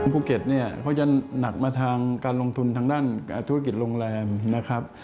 ภูเก็ตเนี่ยเขาจะหนักมาทางการลงทุนทางด้านธุรกิจโรงแรมนะครับ